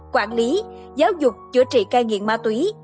quản lý giáo dục chữa trị cai nghiện ma túy